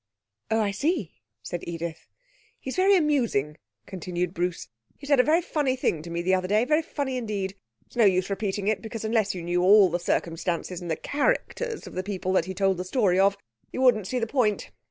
'Oh, I see,' said Edith. 'He's very amusing,' continued Bruce. 'He said a very funny thing to me the other day. Very funny indeed. It's no use repeating it, because unless you knew all the circumstances and the characters of the people that he told the story of, you wouldn't see the point.